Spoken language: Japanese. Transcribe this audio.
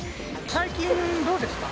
最近どうですか？